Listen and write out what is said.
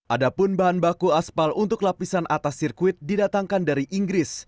ada pun bahan baku aspal untuk lapisan atas sirkuit didatangkan dari inggris